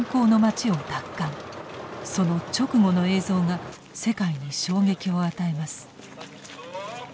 その直後の映像が世界に衝撃を与えます。